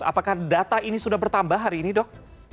apakah data ini sudah bertambah hari ini dok